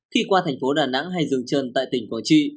khi qua thành phố đà nẵng hay dừng chân tại tỉnh quảng trị